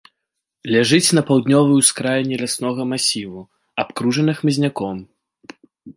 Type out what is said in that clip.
Ляжыць на паўднёвай ускраіне ляснога масіву, абкружана хмызняком.